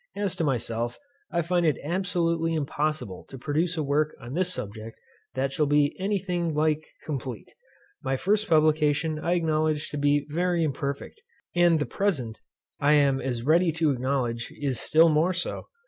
As to myself, I find it absolutely impossible to produce a work on this subject that shall be any thing like complete. My first publication I acknowledged to be very imperfect, and the present, I am as ready to acknowledge, is still more so.